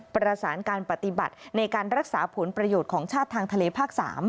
ประสานการปฏิบัติในการรักษาผลประโยชน์ของชาติทางทะเลภาค๓